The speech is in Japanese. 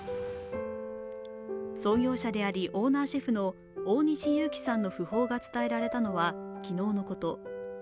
創業者であり、オーナーシェフの大西祐貴さんの訃報が伝えられたのは昨日のこと。